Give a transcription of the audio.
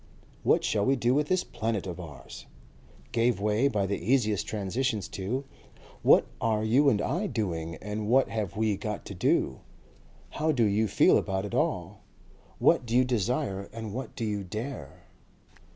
"What shall we do with this planet of ours?" gave way by the easiest transitions to "What are you and I doing and what have we got to do? How do you feel about it all? What do you desire and what do you dare?"